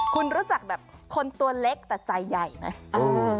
คุณรู้จักแบบคนตัวเล็กแต่ใจใหญ่ไหม